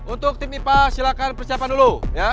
untuk tim ipa silakan persiapan dulu